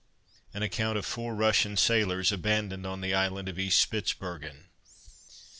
AN ACCOUNT OF FOUR RUSSIAN SAILORS, ABANDONED ON THE ISLAND OF EAST SPITZBERGEN.